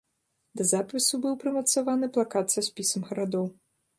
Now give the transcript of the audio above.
Да запісу быў прымацаваны плакат са спісам гарадоў.